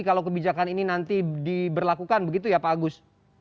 kalau kebijakan ini nanti diberlakukan begitu ya pak agus